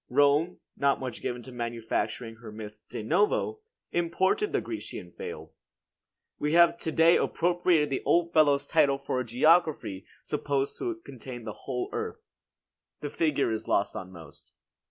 Rome, not much given to manufacturing her myths de novo, imported the Grecian fable. We have to day appropriated the old fellow's title for a geography supposed to contain the whole earth. The figure is lost on most.